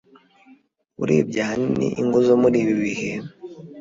urebye ahanini ingo zo muri ibi bihe